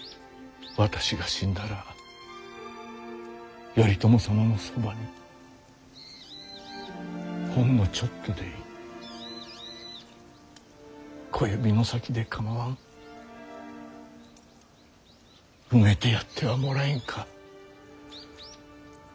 私が死んだら頼朝様のそばにほんのちょっとでいい小指の先で構わん埋めてやってはもらえんか。